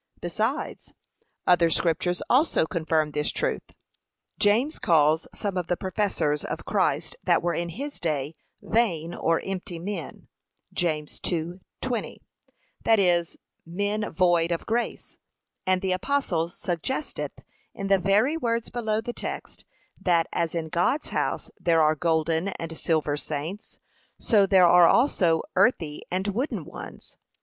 Besides, other scriptures also confirm this truth. James calls I some of the professors of Christ that were in his day vain or empty men. (James 2:20) That is, men void of grace. And the apostle suggesteth in the very words below the text, that as in God's house there are golden and silver saints, so there are also earthy and wooden ones.